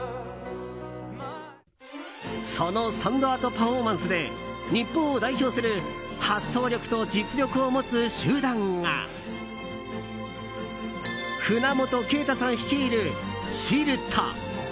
そのサンドアートパフォーマンスで日本を代表する発想力と実力を持つ集団が船本恵太さん率いるＳＩＬＴ。